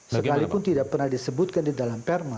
sekalipun tidak pernah disebutkan di dalam perma